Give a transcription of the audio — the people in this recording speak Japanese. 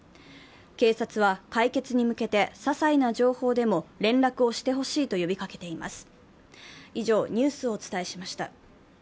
警察は解決に向けてささいな情報でも連絡をしてほしいと呼びかけています。